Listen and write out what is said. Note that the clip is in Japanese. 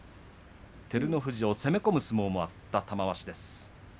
照ノ富士を攻め込む相撲もあった玉鷲です。